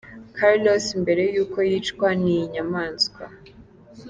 Carlos mbere y’uko yicwa n’iyi nyamaswa.